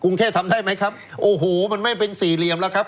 กรุงเทพทำได้ไหมครับโอ้โหมันไม่เป็นสี่เหลี่ยมแล้วครับ